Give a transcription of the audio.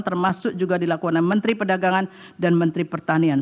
termasuk juga dilakukan oleh menteri perdagangan dan menteri pertanian